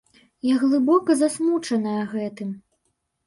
Я глыбока засмучаная гэтым.